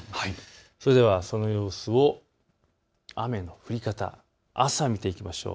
それではその様子を雨の降り方、朝、見ていきましょう。